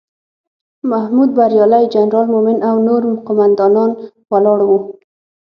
محمود بریالی، جنرال مومن او نور قوماندان ولاړ وو.